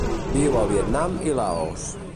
Viu al Vietnam i Laos.